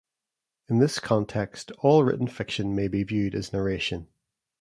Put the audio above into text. In this context, all written fiction may be viewed as narration.